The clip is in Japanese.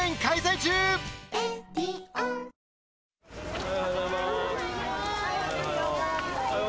おはようございます。